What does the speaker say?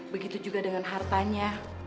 begitu juga dengan hartanya